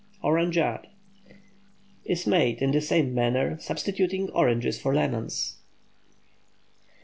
ORANGEADE Is made in the same manner, substituting oranges for lemons.